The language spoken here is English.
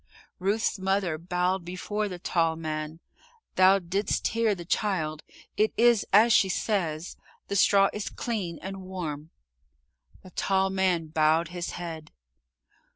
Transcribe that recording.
Ruth's mother bowed before the tall man. "Thou didst hear the child. It is as she says the straw is clean and warm." The tall man bowed his head.